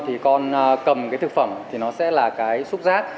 thì con cầm cái thực phẩm thì nó sẽ là cái xúc rác